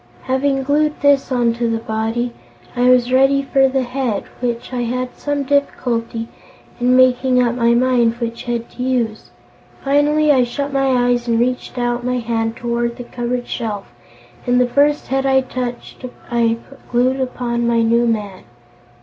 Having glued this onto the body, I was ready for the head, and I had some difficulty in making up my mind which head to use. Finally I shut my eyes and reached out my hand toward the cupboard shelf, and the first head I touched I glued upon my new man."